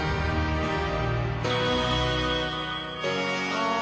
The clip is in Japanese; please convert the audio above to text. ああ。